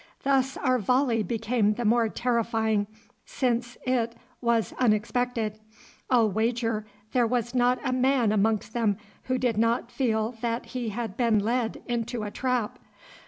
Thus our volley became the more terrifying since it was unexpected. I'll wager there was not a man amongst them who did not feel that he had been led into a trap.